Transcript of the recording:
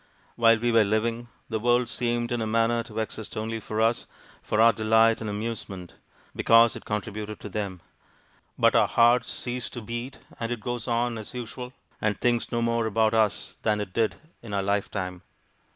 While we were living, the world seemed in a manner to exist only for us, for our delight and amusement, because it contributed to them. But our hearts cease to beat, and it goes on as usual, and thinks no more about us than it did in our lifetime.